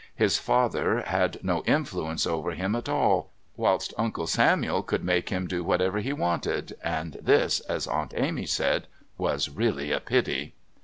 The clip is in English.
His father had no influence over him at all, whilst Uncle Samuel could make him do whatever he wanted and this, as Aunt Amy said, "was really a pity."